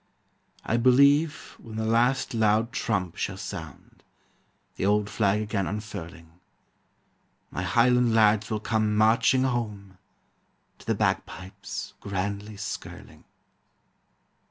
I believe when the last loud trump shall sound, The old flag again unfurling, My highland lads will come marching home To the bagpipes grandly skirling.